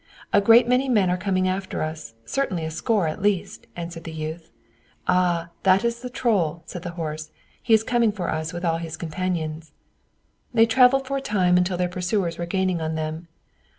"A great many men are coming after us, certainly a score at least," answered the youth. "Ah! that is the Troll," said the horse, "he is coming with all his companions." They traveled for a time, until their pursuers were gaining on them.